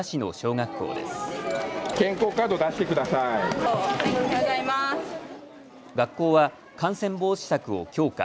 学校は感染防止策を強化。